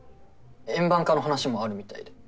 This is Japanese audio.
円盤化の話もあるみたいで。